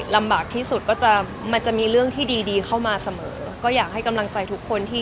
ลำบากที่สุดก็จะมันจะมีเรื่องที่ดีดีเข้ามาเสมอก็อยากให้กำลังใจทุกคนที่